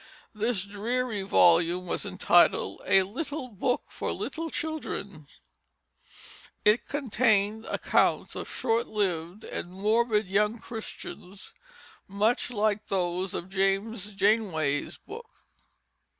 This dreary volume was entitled a Little Book for Little Children. It contained accounts of short lived and morbid young Christians, much like those of James Janeway's book.